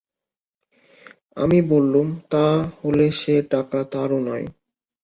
আমি বললুম, তা হলে সে টাকা তারও নয়।